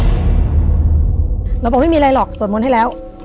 แล้วพอพี่ว่าไม่มีอะไรหรอกส่วนก้อนให้แล้ว